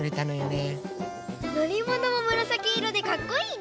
のりものもむらさきいろでかっこいいね。